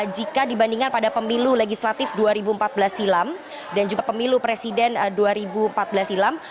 jika dibandingkan pada pemilu legislatif dua ribu empat belas silam dan juga pemilu presiden dua ribu empat belas silam